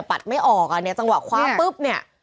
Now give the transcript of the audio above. ปัดไม่ออกจังหวะคว้าปุ๊บเนี่ย